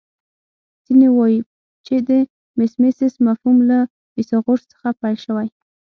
ځینې وايي چې د میمیسیس مفهوم له فیثاغورث څخه پیل شوی